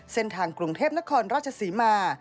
เส้นทางกรุงเทพนครราชศรีมา